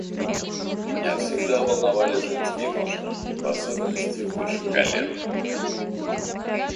Меня всегда волновали женские ножки, в особенности выше колен.